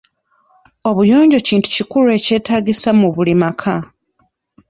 Obuyonjo kintu ekikulu ekyetaagisa mu buli maka.